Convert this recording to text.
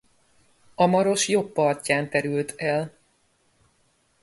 A Maros jobb partján terült el.